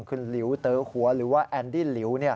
คือลิวเตอร์หัวหรือว่าแอนดี้ลิว